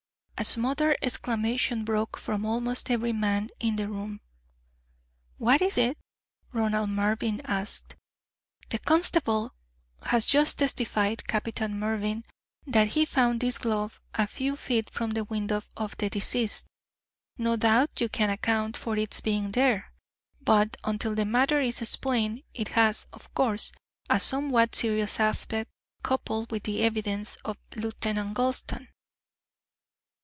A smothered exclamation broke from almost every man in the room. "What is it?" Ronald Mervyn asked. "The constable has just testified, Captain Mervyn, that he found this glove a few feet from the window of the deceased. No doubt you can account for its being there, but until the matter is explained it has, of course, a somewhat serious aspect, coupled with the evidence of Lieutenant Gulston."